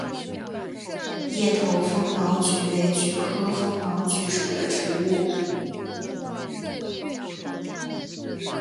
叶头风毛菊为菊科风毛菊属的植物。